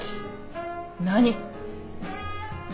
何！